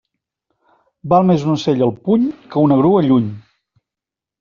Val més un ocell al puny que una grua lluny.